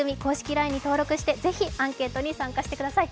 ＬＩＮＥに登録してぜひアンケートに参加してください。